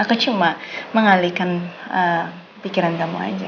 aku cuma mengalihkan pikiran kamu aja